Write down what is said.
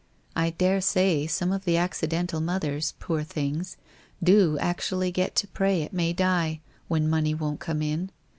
I daresay some of the accidental mothers, poor things, do actually get to pray it may die, when money won't come in.